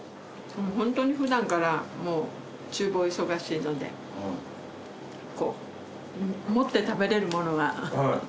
ホントにふだんから厨房忙しいのでこう持って食べられるものが。